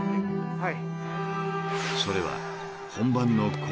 はい。